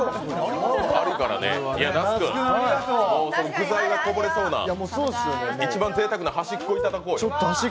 那須君、具材がこぼれそうな、一番ぜいたくな端っこ、いきましょうよ。